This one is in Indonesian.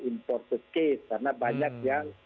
imported case karena banyak yang